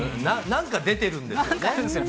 なんか出てるんですよ。